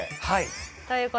はい。